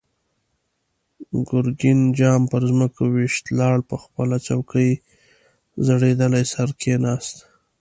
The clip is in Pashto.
ګرګين جام پر ځمکه و ويشت، لاړ، په خپله څوکۍ زړېدلی سر کېناست.